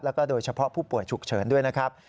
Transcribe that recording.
แล้วก็โดยเฉพาะผู้ป่วยฉุกเฉินด้วยนะครับ